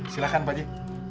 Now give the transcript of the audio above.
silakan pak ji